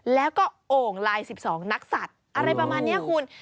แล้วก็โอ่งลาย๑๒นักสัตว์อะไรประมาณนี้คุณ